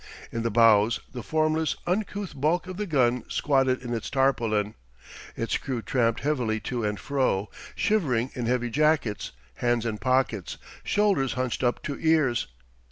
In the bows the formless, uncouth bulk of the gun squatted in its tarpaulin. Its crew tramped heavily to and fro, shivering in heavy jackets, hands in pockets, shoulders hunched up to ears.